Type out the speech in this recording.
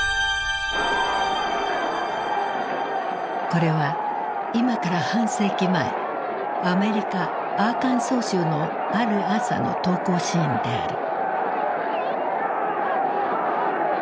これは今から半世紀前アメリカ・アーカンソー州のある朝の登校シーンである。